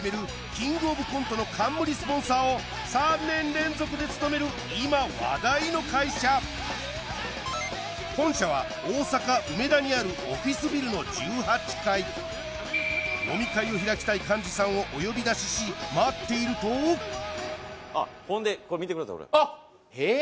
キングオブコントの冠スポンサーを３年連続で務める今話題の会社本社は大阪・梅田にあるオフィスビルの１８階飲み会を開きたい幹事さんをお呼び出しし待っているとあっほんでこれあっへえ